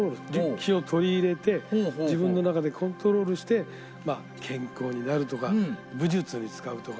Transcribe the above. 気を取り入れて自分の中でコントロールして健康になるとか武術に使うとか。